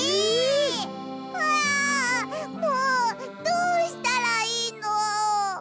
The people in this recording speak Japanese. あもうどうしたらいいの！